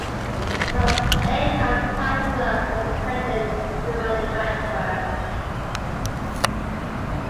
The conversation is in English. Most aircraft type clubs are independent of the manufacturer.